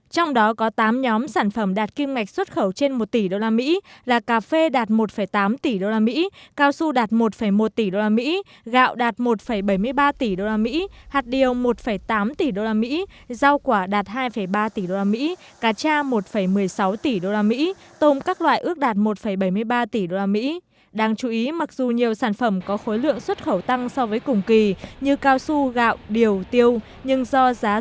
trong đó có tám nhóm sản phẩm đạt kim ngạch xuất khẩu trên một tỷ usd là cà phê đạt một tám tỷ usd cao su đạt một một tỷ usd gạo đạt một bảy mươi ba tỷ usd